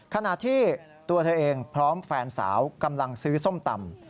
ขณะที่ตัวเธอเองพร้อมแฟนสาวกำลังซื้อส้มตำ